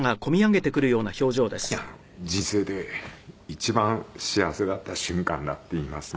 「人生で一番幸せだった瞬間だ」って言いますね。